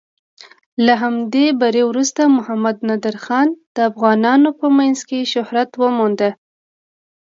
له همدې بري وروسته محمد نادر خان د افغانانو په منځ کې شهرت وموند.